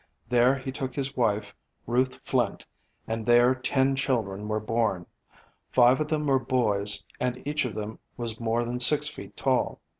There he took his wife, Ruth Flint, and there ten children were born. Five of them were boys, and each of them was more than six feet tall.